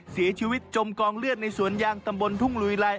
เสียชีวิตจมกองเลือดในสวนยางตำบลทุ่งลุยลาย